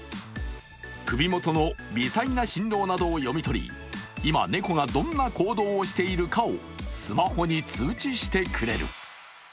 首元の微細な振動などを読み取り、今、猫がどんな行動をしているかをスマホに通知してくれる。